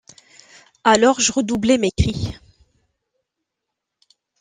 Alors je redoublais mes cris.